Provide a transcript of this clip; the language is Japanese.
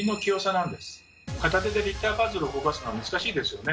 片手で立体パズルを動かすのは難しいですよね。